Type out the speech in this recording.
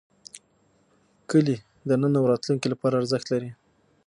کلي د نن او راتلونکي لپاره ارزښت لري.